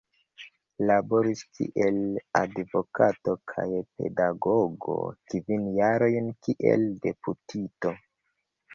Laboris kiel advokato kaj pedagogo, kvin jarojn kiel deputito.